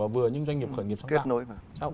vừa những doanh nghiệp khởi nghiệp sáng tạo